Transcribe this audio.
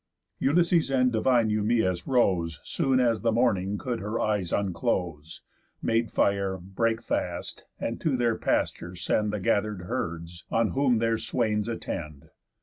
Ulysses and divine Eumæus rose Soon as the morning could her eyes unclose, Made fire, brake fast, and to their pasture send The gather'd herds, on whom their swains attend.